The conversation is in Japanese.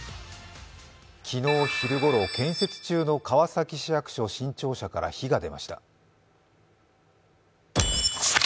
昨日昼ごろ、建設中の川崎市役所新庁舎から火が出ました。